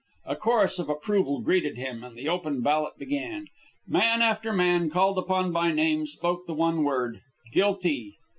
A chorus of approval greeted him, and the open ballot began. Man after man, called upon by name, spoke the one word, "Guilty."